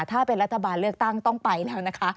ถ้าเป็นรัฐบาลเลือกตั้งต้องไปแล้วนะคะ